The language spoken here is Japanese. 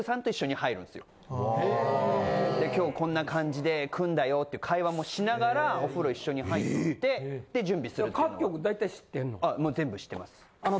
・へえ・今日こんな感じで組んだよって会話もしながらお風呂一緒に入って準備するっていう。